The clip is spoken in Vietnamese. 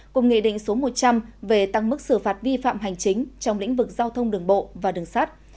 cùng nghị định số một trăm linh về tăng mức xử phạt vi phạm hành chính trong lĩnh vực giao thông đường bộ và đường sát